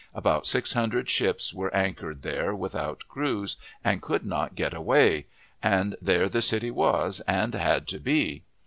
About six hundred ships were anchored there without crews, and could not get away; and there the city was, and had to be.